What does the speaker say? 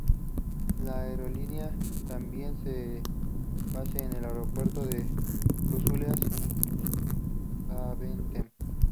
La aerolínea tenía su base en el Aeropuerto de Bruselas-Zaventem.